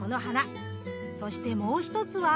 そしてもう１つは。